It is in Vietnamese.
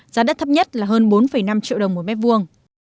giá đất thấp nhất là hơn bốn năm triệu đồng một mét vuông